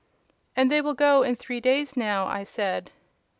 "And they will go in three days now?" I said.